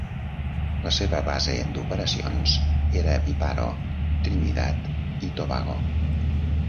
La seva base d'operacions era a Piparo, Trinidad i Tobago.